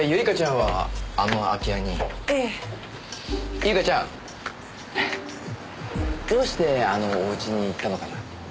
唯香ちゃん。どうしてあのお家に行ったのかな？